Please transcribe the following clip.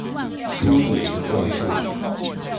粗魯的動作